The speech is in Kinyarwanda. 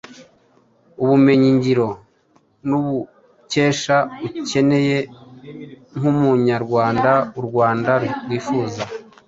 ubumenyi ngiro n’ubukesha ukeneye nk’Umunyarwanda u Rwanda rwifuza.